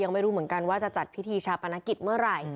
ยังไม่รู้เหมือนกันว่าจะจัดพิธีฉาพนักศิษย์เมื่อใบ